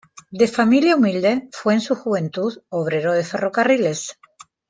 De familia humilde fue en su juventud obrero de ferrocarriles.